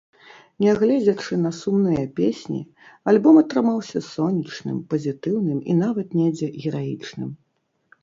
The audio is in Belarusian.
Нягледзячы на сумныя песні, альбом атрымаўся сонечным, пазітыўным і нават недзе гераічным.